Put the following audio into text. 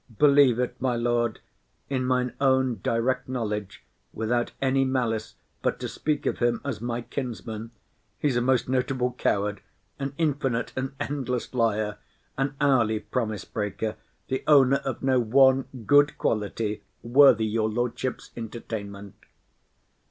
Believe it, my lord, in mine own direct knowledge, without any malice, but to speak of him as my kinsman, he's a most notable coward, an infinite and endless liar, an hourly promise breaker, the owner of no one good quality worthy your lordship's entertainment.